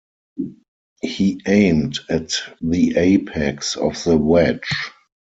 He aimed at the apex of the wedge.